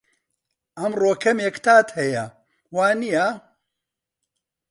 ئەمڕۆ کەمێک تات هەیە، وانییە؟